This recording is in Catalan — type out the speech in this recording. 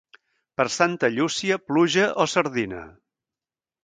Per Santa Llúcia, pluja o sardina.